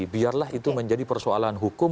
biarlah itu menjadi persoalan hukum